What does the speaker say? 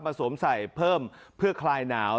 สวมใส่เพิ่มเพื่อคลายหนาว